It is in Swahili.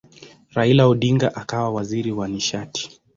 Raila Odinga akawa waziri wa nishati.